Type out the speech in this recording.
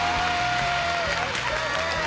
やったぜ！